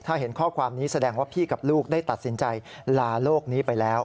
ถ้าเห็นข้อความนี้แสดงว่าพี่กับลูกได้ตัดสินใจลาโลกนี้ไปแล้ว